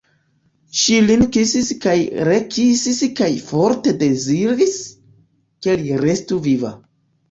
Ŝi lin kisis kaj rekisis kaj forte deziris, ke li restu viva.